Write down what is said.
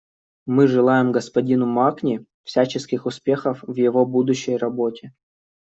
Мы желаем господину Макни всяческих успехов в его будущей работе.